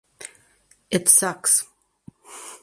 It sucks.